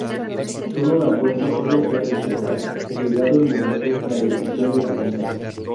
Solo la fuerza pudo hacer respetar, llegado el momento, la decisión de la Junta.